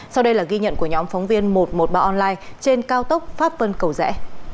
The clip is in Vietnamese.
sau đây là ghi nhận của nhóm phóng viên một trăm một mươi ba online trên cao tốc pháp vân cầu rẽ